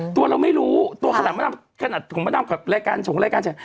ตัวเราไม่รู้ตัวขนาดของมาดามแชร์